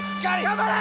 頑張れ！